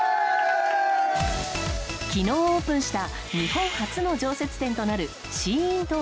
昨日オープンした日本初の常設店となるＳＨＥＩＮＴＯＫＹＯ。